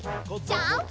ジャンプ！